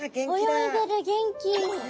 泳いでる元気。